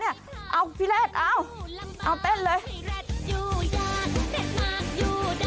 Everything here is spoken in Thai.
เอาพี่แรดเอาเอาเต้นเลย